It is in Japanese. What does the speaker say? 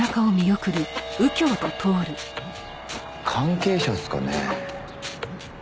関係者っすかね？